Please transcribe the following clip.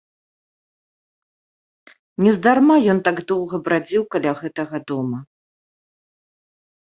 Нездарма ён так доўга брадзіў каля гэтага дома.